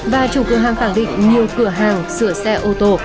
và chủ cửa hàng khẳng định nhiều cửa hàng sửa xe ô tô